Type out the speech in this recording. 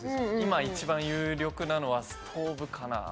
今一番有力なのはストーブかな。